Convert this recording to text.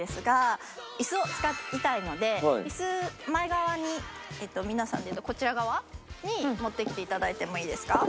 椅子を使いたいので椅子前側に皆さんでいうとこちら側に持ってきていただいてもいいですか？